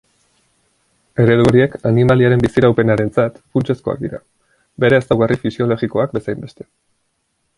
Eredu horiek animaliaren biziraupenarentzat funtsezkoak dira, bere ezaugarri fisiologikoak bezainbeste.